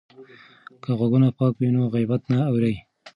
که غوږونه پاک وي نو غیبت نه اوري.